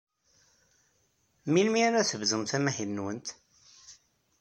Melmi ara tebdumt amahil-nwent?